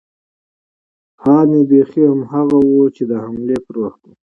حال مې بيخي هماغه شى و چې د حملې پر وخت و.